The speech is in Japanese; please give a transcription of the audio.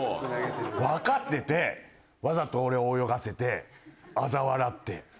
わかっててわざと俺を泳がせてあざ笑って。